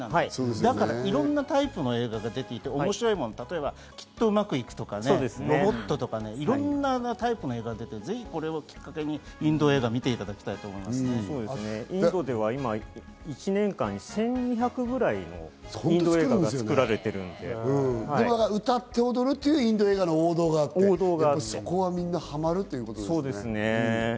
だからいろんなタイプの映画が出ていて、面白いものはきっとうまくいくとか、ロボットとか、いろんなタイプの映画が出ていて、これをきっかけにインド映画を見ていただきたいと思いま１年間に１２００くらいのインド映画が歌って踊るというインド映画の王道があって、そこはみんなハマるということですね。